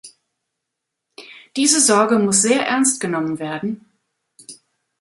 Diese Sorge muss sehr ernst genommen werden.